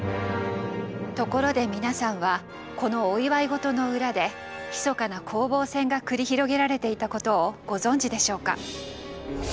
ところで皆さんはこのお祝い事の裏でひそかな攻防戦が繰り広げられていたことをご存じでしょうか？